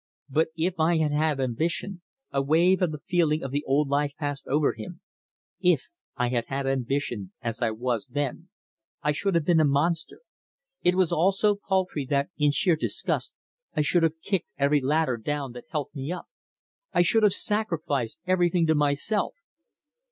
But if I had had ambition" a wave of the feeling of the old life passed over him "if I had had ambition as I was then, I should have been a monster. It was all so paltry that, in sheer disgust, I should have kicked every ladder down that helped me up. I should have sacrificed everything to myself."